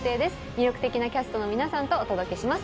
魅力的なキャストの皆さんとお届けします。